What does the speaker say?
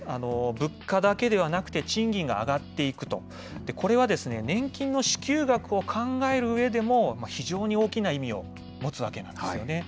物価だけではなくて、賃金が上がっていくと、これは年金の支給額を考えるうえでも、非常に大きな意味を持つわけなんですよね。